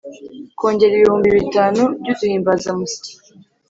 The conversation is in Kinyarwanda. kongera ibihumbi bitanu by’uduhimbazamusyi